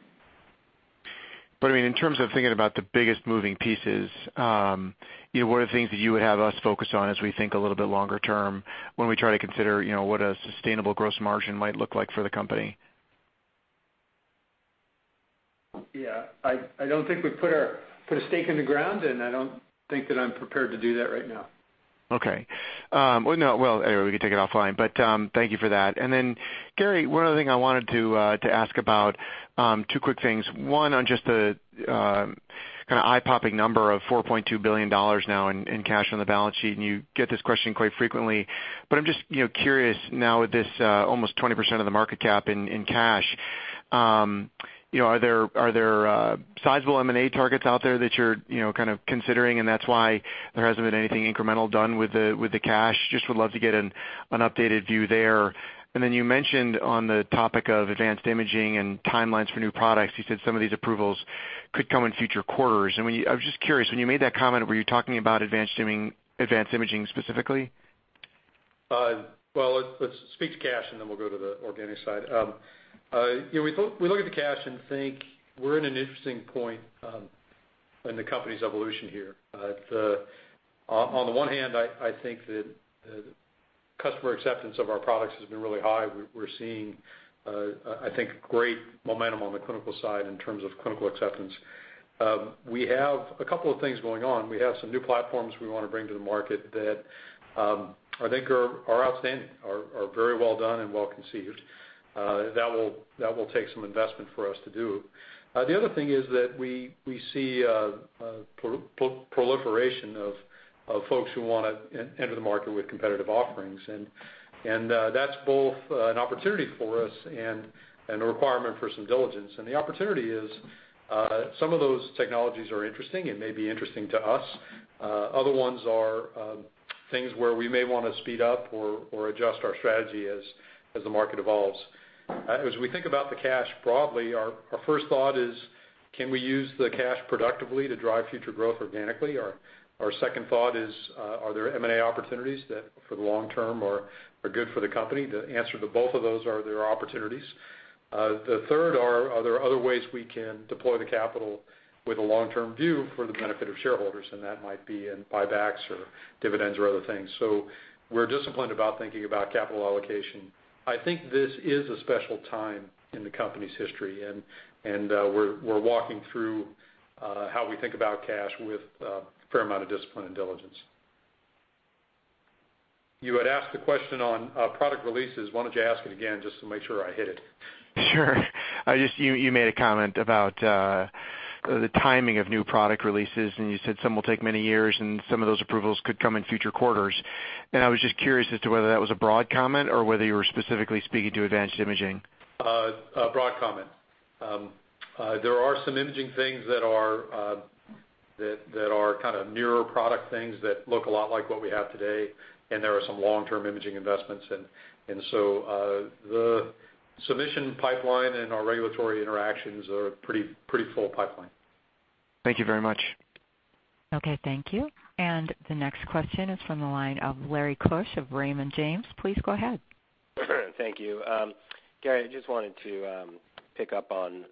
I mean, in terms of thinking about the biggest moving pieces, what are the things that you would have us focus on as we think a little bit longer term when we try to consider what a sustainable gross margin might look like for the company? I don't think we've put a stake in the ground. I don't think that I'm prepared to do that right now. Well, anyway, we can take it offline, but thank you for that. Gary, one other thing I wanted to ask about, two quick things. One on just the kind of eye-popping number of $4.2 billion now in cash on the balance sheet. You get this question quite frequently, but I'm just curious now with this almost 20% of the market cap in cash, are there sizable M&A targets out there that you're kind of considering and that's why there hasn't been anything incremental done with the cash? Just would love to get an updated view there. You mentioned on the topic of advanced imaging and timelines for new products, you said some of these approvals could come in future quarters. I was just curious, when you made that comment, were you talking about advanced imaging specifically? Let's speak to cash. Then we'll go to the organic side. We look at the cash and think we're in an interesting point in the company's evolution here. On the one hand, I think that customer acceptance of our products has been really high. We're seeing, I think, great momentum on the clinical side in terms of clinical acceptance. We have a couple of things going on. We have some new platforms we want to bring to the market that I think are outstanding, are very well done and well-conceived. That will take some investment for us to do. The other thing is that we see a proliferation of folks who want to enter the market with competitive offerings, and that's both an opportunity for us and a requirement for some diligence. The opportunity is some of those technologies are interesting and may be interesting to us. Other ones are things where we may want to speed up or adjust our strategy as the market evolves. As we think about the cash broadly, our first thought is can we use the cash productively to drive future growth organically? Our second thought is, are there M&A opportunities that for the long term are good for the company? The answer to both of those are there are opportunities. The third are there other ways we can deploy the capital with a long-term view for the benefit of shareholders? That might be in buybacks or dividends or other things. We're disciplined about thinking about capital allocation. I think this is a special time in the company's history, and we're walking through how we think about cash with a fair amount of discipline and diligence. You had asked the question on product releases. Why don't you ask it again just to make sure I hit it. Sure. You made a comment about the timing of new product releases, you said some will take many years and some of those approvals could come in future quarters. I was just curious as to whether that was a broad comment or whether you were specifically speaking to advanced imaging. A broad comment. There are some imaging things that are kind of nearer product things that look a lot like what we have today, there are some long-term imaging investments. The submission pipeline and our regulatory interactions are a pretty full pipeline. Thank you very much. Okay, thank you. The next question is from the line of Larry Kusch of Raymond James. Please go ahead. Thank you. Gary, I just wanted to pick up on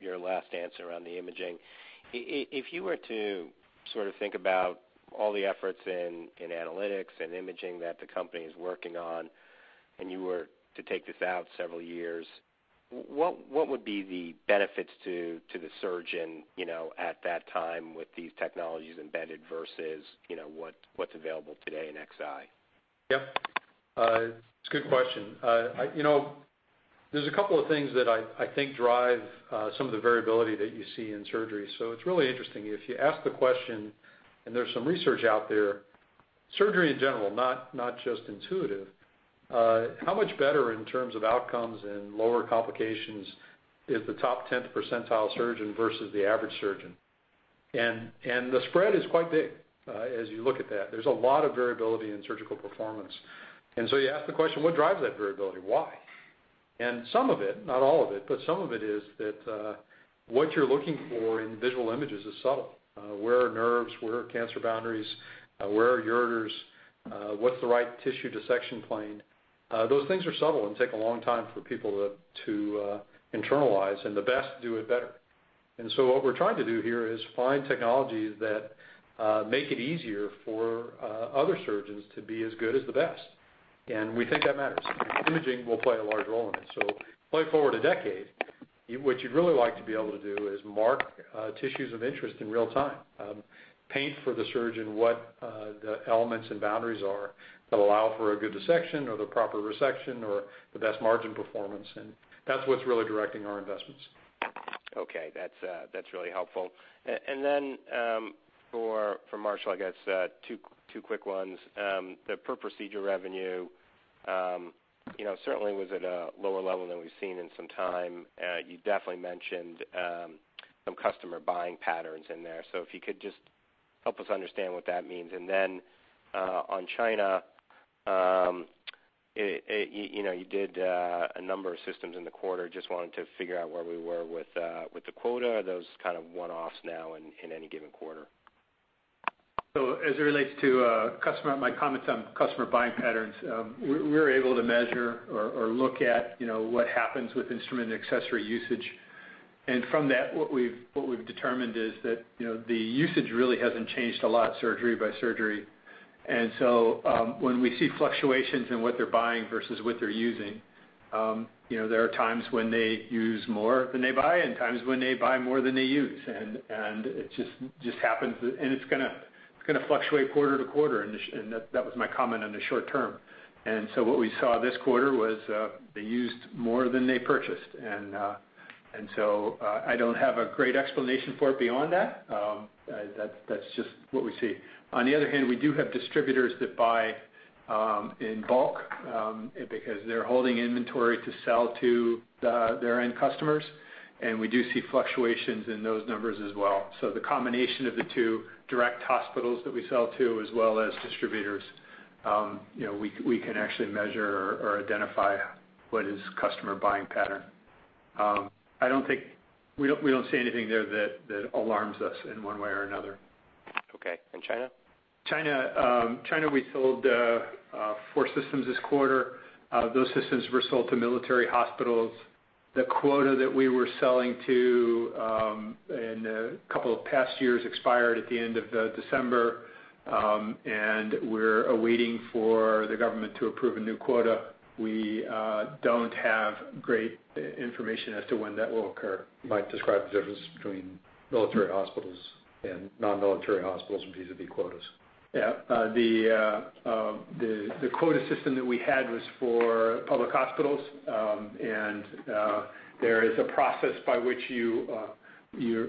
your last answer on the imaging. If you were to sort of think about all the efforts in analytics and imaging that the company is working on, you were to take this out several years. What would be the benefits to the surgeon at that time with these technologies embedded versus what's available today in Xi? Yeah. It's a good question. There's a couple of things that I think drive some of the variability that you see in surgery. It's really interesting. If you ask the question, and there's some research out there, surgery in general, not just Intuitive, how much better in terms of outcomes and lower complications is the top 10th percentile surgeon versus the average surgeon? The spread is quite big as you look at that. There's a lot of variability in surgical performance. You ask the question: what drives that variability? Why? Some of it, not all of it, but some of it is that what you're looking for in visual images is subtle. Where are nerves, where are cancer boundaries? Where are ureters? What's the right tissue dissection plane? Those things are subtle and take a long time for people to internalize, and the best do it better. What we're trying to do here is find technologies that make it easier for other surgeons to be as good as the best, and we think that matters. Imaging will play a large role in it. Play forward a decade, what you'd really like to be able to do is mark tissues of interest in real time, paint for the surgeon what the elements and boundaries are that allow for a good dissection or the proper resection or the best margin performance. That's what's really directing our investments. Okay. That's really helpful. For Marshall, I guess, two quick ones. The per-procedure revenue certainly was at a lower level than we've seen in some time. You definitely mentioned some customer buying patterns in there. If you could just help us understand what that means. On China, you did a number of systems in the quarter, just wanted to figure out where we were with the quota. Are those kind of one-offs now in any given quarter? As it relates to my comments on customer buying patterns, we're able to measure or look at what happens with instrument and accessory usage. What we've determined is that the usage really hasn't changed a lot surgery by surgery. When we see fluctuations in what they're buying versus what they're using, there are times when they use more than they buy and times when they buy more than they use, and it just happens. It's going to fluctuate quarter to quarter, and that was my comment on the short term. What we saw this quarter was they used more than they purchased. I don't have a great explanation for it beyond that. That's just what we see. On the other hand, we do have distributors that buy in bulk because they're holding inventory to sell to their end customers, and we do see fluctuations in those numbers as well. The combination of the two direct hospitals that we sell to as well as distributors, we can actually measure or identify what is customer buying pattern. We don't see anything there that alarms us in one way or another. Okay. China? China, we sold four systems this quarter. Those systems were sold to military hospitals. The quota that we were selling to in a couple of past years expired at the end of December. We're awaiting for the government to approve a new quota. We don't have great information as to when that will occur. Mike, describe the difference between military hospitals and non-military hospitals in vis-à-vis quotas. Yeah. The quota system that we had was for public hospitals, there is a process by which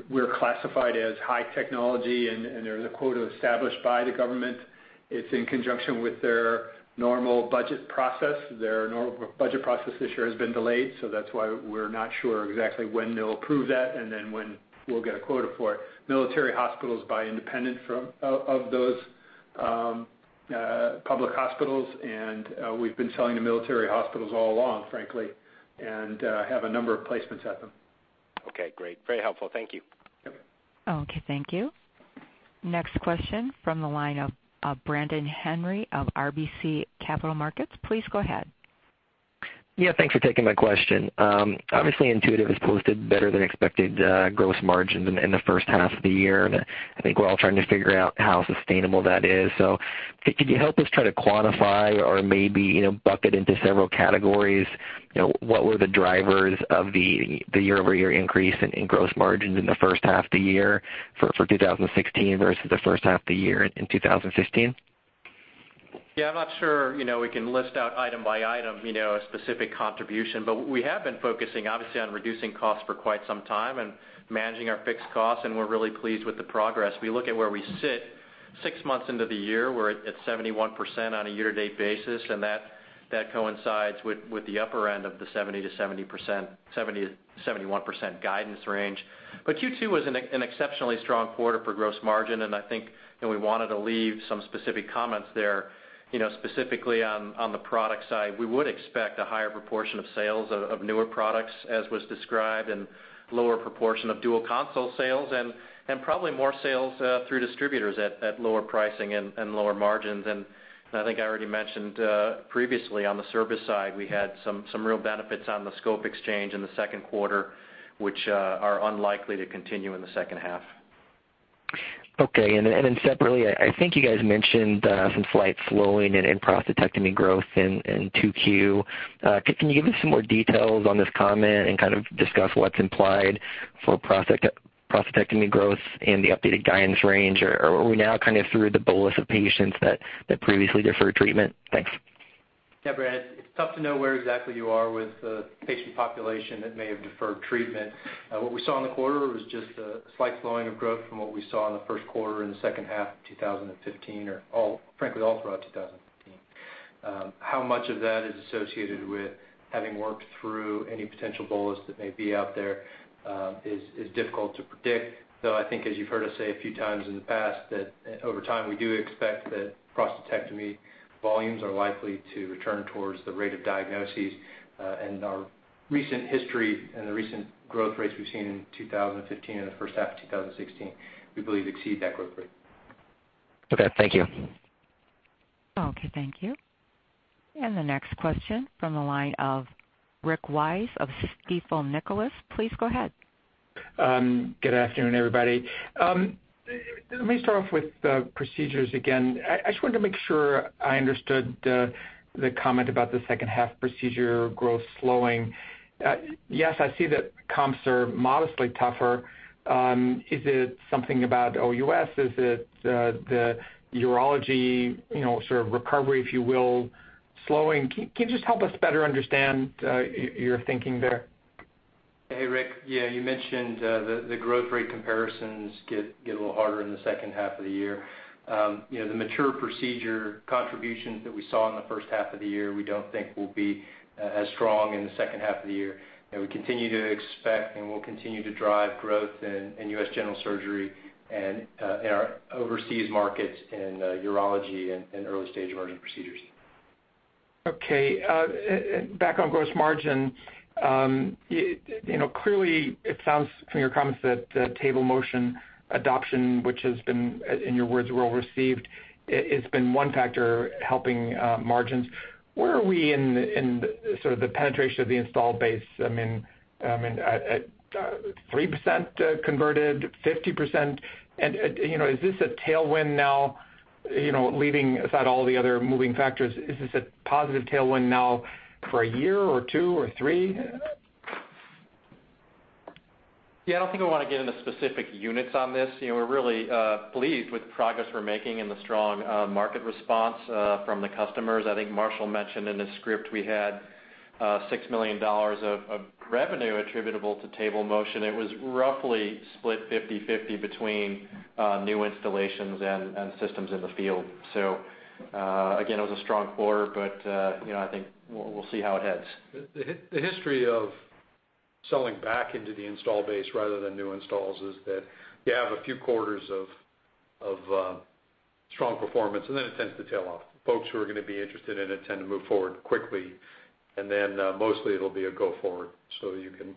we're classified as high technology, there's a quota established by the government. It's in conjunction with their normal budget process. Their normal budget process this year has been delayed, that's why we're not sure exactly when they'll approve that, then when we'll get a quota for it. Military hospitals buy independent of those public hospitals, we've been selling to military hospitals all along, frankly, have a number of placements at them. Okay, great. Very helpful. Thank you. Yep. Okay, thank you. Next question from the line of Brandon Henry of RBC Capital Markets. Please go ahead. Yeah, thanks for taking my question. Obviously, Intuitive has posted better than expected gross margins in the first half of the year, and I think we're all trying to figure out how sustainable that is. Could you help us try to quantify or maybe bucket into several categories what were the drivers of the year-over-year increase in gross margins in the first half of the year for 2016 versus the first half of the year in 2015? Yeah, I'm not sure we can list out item by item a specific contribution. We have been focusing, obviously, on reducing costs for quite some time and managing our fixed costs, and we're really pleased with the progress. We look at where we sit six months into the year, we're at 71% on a year-to-date basis, and that coincides with the upper end of the 70%-71% guidance range. Q2 was an exceptionally strong quarter for gross margin, and I think that we wanted to leave some specific comments there. Specifically on the product side, we would expect a higher proportion of sales of newer products, as was described, and lower proportion of dual console sales and probably more sales through distributors at lower pricing and lower margins. I think I already mentioned previously on the service side, we had some real benefits on the scope exchange in the second quarter, which are unlikely to continue in the second half. Okay. Separately, I think you guys mentioned some slight slowing in prostatectomy growth in 2Q. Can you give us some more details on this comment and discuss what's implied for prostatectomy growth in the updated guidance range? Or are we now through the bolus of patients that previously deferred treatment? Thanks. Yeah, Brad, it's tough to know where exactly you are with the patient population that may have deferred treatment. What we saw in the quarter was just a slight slowing of growth from what we saw in the first quarter and the second half of 2015, or frankly, all throughout 2015. How much of that is associated with having worked through any potential bolus that may be out there, is difficult to predict. Though, I think as you've heard us say a few times in the past, that over time, we do expect that prostatectomy volumes are likely to return towards the rate of diagnoses. Our recent history and the recent growth rates we've seen in 2015 and the first half of 2016, we believe exceed that growth rate. Okay, thank you. Okay, thank you. The next question from the line of Rick Wise of Stifel Nicolaus, please go ahead. Good afternoon, everybody. Let me start off with procedures again. I just wanted to make sure I understood the comment about the second half procedure growth slowing. Yes, I see that comps are modestly tougher. Is it something about OUS? Is it the urology sort of recovery, if you will, slowing? Can you just help us better understand your thinking there? Hey, Rick. Yeah, you mentioned the growth rate comparisons get a little harder in the second half of the year. The mature procedure contributions that we saw in the first half of the year, we don't think will be as strong in the second half of the year. We continue to expect, and we'll continue to drive growth in U.S. general surgery and in our overseas markets in urology and early-stage emerging procedures. Okay. Back on gross margin. Clearly it sounds from your comments that the table motion adoption, which has been, in your words, well-received, it's been one factor helping margins. Where are we in sort of the penetration of the installed base? I mean, at 3% converted, 50%? Is this a tailwind now, leaving aside all the other moving factors, is this a positive tailwind now for a year or two or three? I don't think I want to get into specific units on this. We're really pleased with the progress we're making and the strong market response from the customers. I think Marshall mentioned in the script we had $6 million of revenue attributable to table motion. It was roughly split 50/50 between new installations and systems in the field. Again, it was a strong quarter, but I think we'll see how it heads. The history of selling back into the install base rather than new installs is that you have a few quarters of strong performance, and then it tends to tail off. Folks who are going to be interested in it tend to move forward quickly, and then mostly it'll be a go forward. You can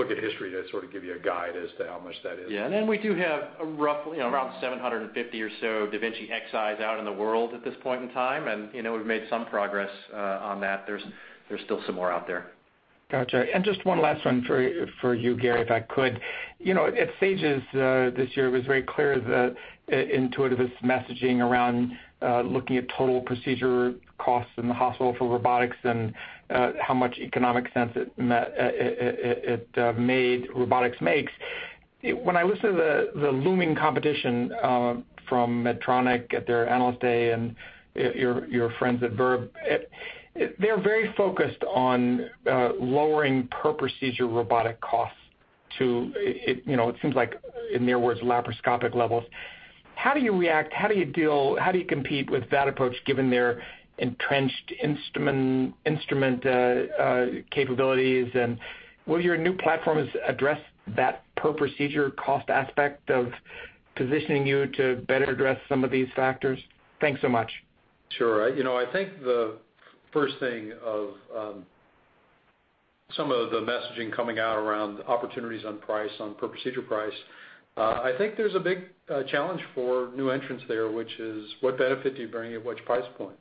look at history to sort of give you a guide as to how much that is. Yeah. We do have roughly around 750 or so da Vinci Xis out in the world at this point in time, and we've made some progress on that. There's still some more out there. Got you. Just one last one for you, Gary, if I could. At SAGES this year, it was very clear that Intuitive is messaging around looking at total procedure costs in the hospital for robotics and how much economic sense it made, robotics makes. I listen to the looming competition from Medtronic at their analyst day and your friends at Verb, they're very focused on lowering per procedure robotic costs to, it seems like, in their words, laparoscopic levels. How do you react? How do you deal? How do you compete with that approach given their entrenched instrument capabilities? Will your new platforms address that per procedure cost aspect of positioning you to better address some of these factors? Thanks so much. Sure. I think the first thing of some of the messaging coming out around opportunities on price, on per procedure price, I think there's a big challenge for new entrants there, which is what benefit do you bring at which price point?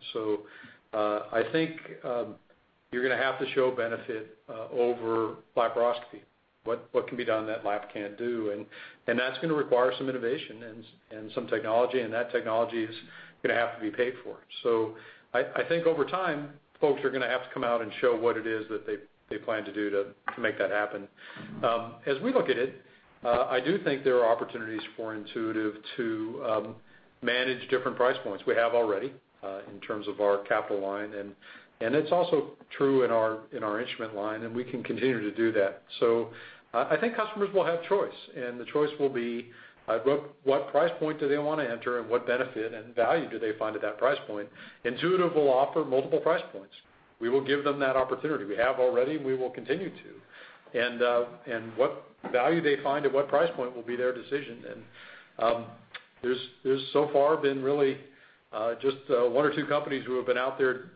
I think you're going to have to show benefit over laparoscopy, what can be done that lap can't do, and that's going to require some innovation and some technology, and that technology is going to have to be paid for. I think over time, folks are going to have to come out and show what it is that they plan to do to make that happen. As we look at it, I do think there are opportunities for Intuitive to manage different price points. We have already, in terms of our capital line, and it's also true in our instrument line, and we can continue to do that. I think customers will have choice, and the choice will be what price point do they want to enter and what benefit and value do they find at that price point? Intuitive will offer multiple price points. We will give them that opportunity. We have already, and we will continue to. What value they find at what price point will be their decision. There's so far been really just one or two companies who have been out there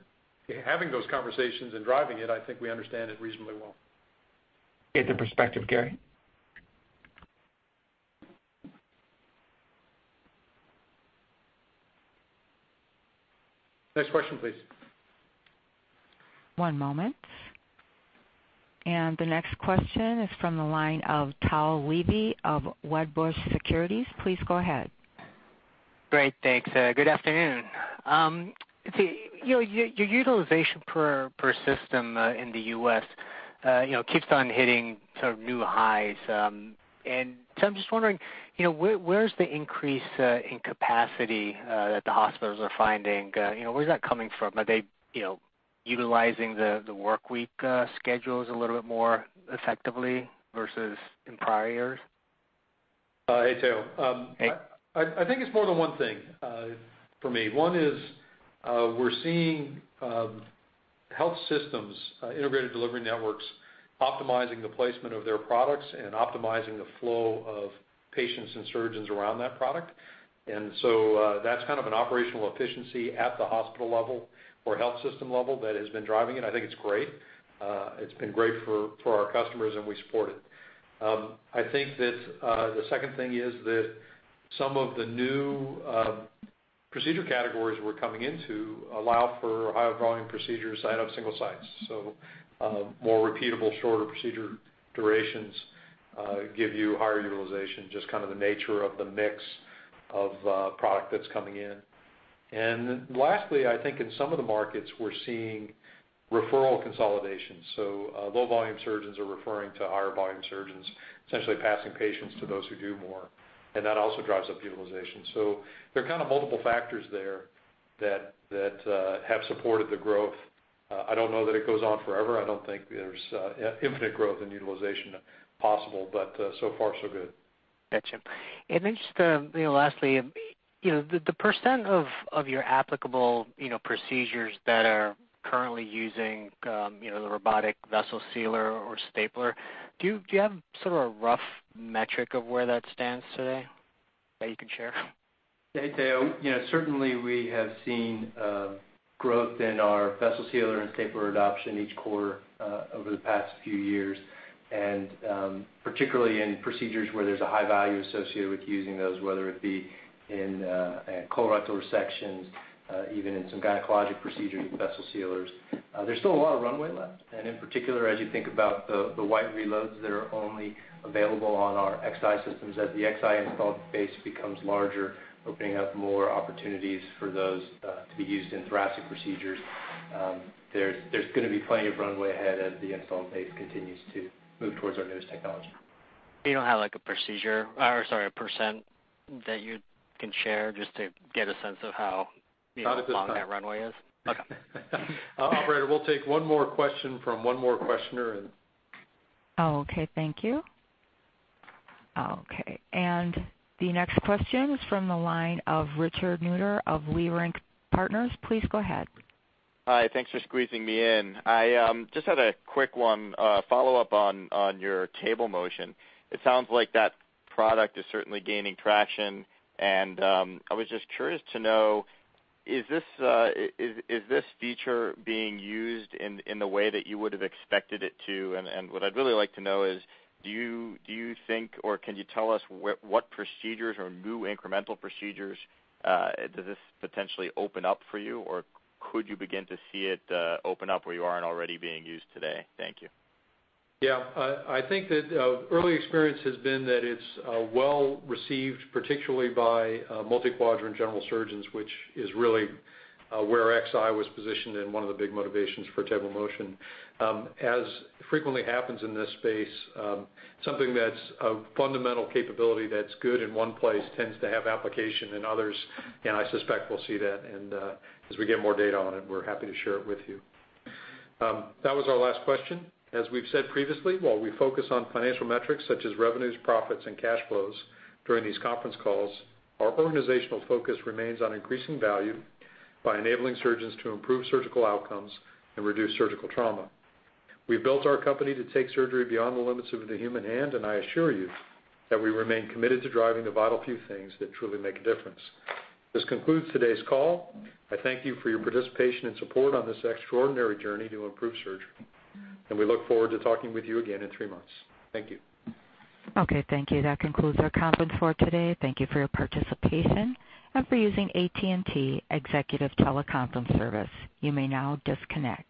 having those conversations and driving it. I think we understand it reasonably well. Get the perspective, Gary. Next question, please. One moment. The next question is from the line of Tao Levy of Wedbush Securities. Please go ahead. Great. Thanks. Good afternoon. Your utilization per system in the U.S. keeps on hitting sort of new highs. I'm just wondering, where's the increase in capacity that the hospitals are finding? Where's that coming from? Are they utilizing the workweek schedules a little bit more effectively versus in prior years? Hey, Tao. Hey. I think it's more than one thing for me. One is we're seeing health systems, Integrated Delivery Networks, optimizing the placement of their products and optimizing the flow of patients and surgeons around that product. That's kind of an operational efficiency at the hospital level or health system level that has been driving it. I think it's great. It's been great for our customers, and we support it. I think that the second thing is that some of the new procedure categories we're coming into allow for higher volume procedures out of single sites. More repeatable, shorter procedure durations give you higher utilization, just kind of the nature of the mix of product that's coming in. Lastly, I think in some of the markets we're seeing referral consolidation. Low volume surgeons are referring to higher volume surgeons, essentially passing patients to those who do more, and that also drives up utilization. There are kind of multiple factors there that have supported the growth. I don't know that it goes on forever. I don't think there's infinite growth in utilization possible, but so far so good. Got you. Then just lastly, the % of your applicable procedures that are currently using the robotic vessel sealer or stapler, do you have sort of a rough metric of where that stands today that you can share? Hey, Tao. Certainly, we have seen growth in our vessel sealer and stapler adoption each quarter over the past few years, and particularly in procedures where there's a high value associated with using those, whether it be in colorectal resections, even in some gynecologic procedures with vessel sealers. There's still a lot of runway left, and in particular, as you think about the White reloads that are only available on our Xi systems, as the Xi installed base becomes larger, opening up more opportunities for those to be used in thoracic procedures. There's going to be plenty of runway ahead as the installed base continues to move towards our newest technology. You don't have like a % that you can share just to get a sense of how- Not at this time long that runway is? Okay. Operator, we'll take one more question from one more questioner and Okay, thank you. Okay, the next question is from the line of Richard Newitter of Leerink Partners. Please go ahead. Hi. Thanks for squeezing me in. I just had a quick one follow up on your table motion. It sounds like that product is certainly gaining traction. I was just curious to know, is this feature being used in the way that you would've expected it to? What I'd really like to know is, do you think, or can you tell us what procedures or new incremental procedures does this potentially open up for you? Or could you begin to see it open up where you aren't already being used today? Thank you. Yeah. I think that early experience has been that it's well received, particularly by multi-quadrant general surgeons, which is really where Xi was positioned and one of the big motivations for table motion. As frequently happens in this space, something that's a fundamental capability that's good in one place tends to have application in others. I suspect we'll see that. As we get more data on it, we're happy to share it with you. That was our last question. As we've said previously, while we focus on financial metrics such as revenues, profits, and cash flows during these conference calls, our organizational focus remains on increasing value by enabling surgeons to improve surgical outcomes and reduce surgical trauma. We've built our company to take surgery beyond the limits of the human hand. I assure you that we remain committed to driving the vital few things that truly make a difference. This concludes today's call. I thank you for your participation and support on this extraordinary journey to improve surgery. We look forward to talking with you again in three months. Thank you. Okay, thank you. That concludes our conference for today. Thank you for your participation and for using AT&T Executive Teleconference Service. You may now disconnect.